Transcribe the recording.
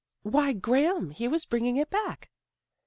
" Why, Graham, he was bringing it back."